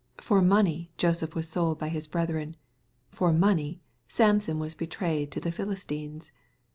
For money Joseph was sold by his brethren* For money Samson was betrayed to the Philistines.